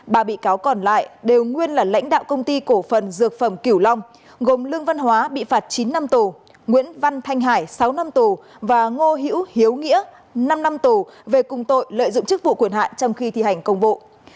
ba bị cáo còn lại đều nguyên là lãnh đạo công ty cổ phần dược phẩm kiểu long gồm lương văn hóa bị phạt chín năm tù nguyễn văn thanh hải sáu năm tù và ngô hữu hiếu nghĩa năm năm tù về cùng tội lợi dụng chức vụ quyền hạn trong khi thi hành công vụ